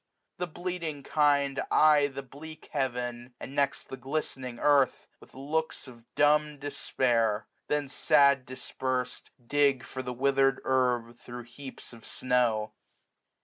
The bleating kind Eye the bleak heaven, and next the glistening earth. With looks of dumb despair ; then, sad dispersed. Dig for the withered herb thro* heaps of snow.